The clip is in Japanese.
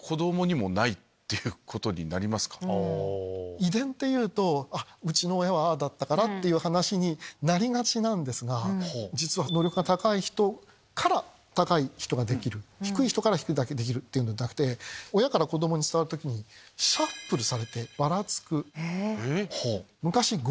遺伝っていうと「うちの親はああだったから」っていう話になりがちなんですが実は能力の高い人から高い人ができる低い人から低い人ができるんじゃなくて親から子供に伝わる時にシャッフルされて。